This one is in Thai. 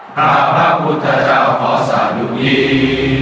ข้าพระพุทธเจ้าขอสนุกยี